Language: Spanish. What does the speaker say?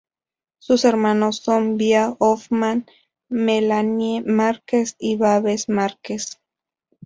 Sus hermanos son Via Hoffman, Melanie Márquez y Babes Marquez.